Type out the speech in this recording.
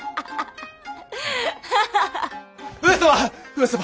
上様！